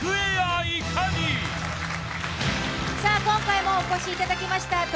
今回もお越しいただきました